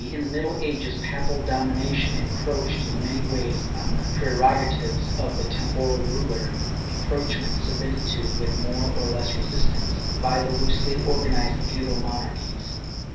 In the middle ages papal domination encroached in many ways on the preroga tives of the temporal ruler, encroachments submitted to, with more or less resistance, by the loosely organized feudal monarchies.